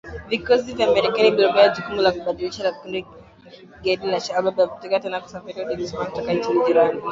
Vikosi vya Marekani vilivyopewa jukumu la kukabiliana na kundi la kigaidi la Al Shabab havitalazimika tena kusafiri hadi Somalia kutoka nchi jirani.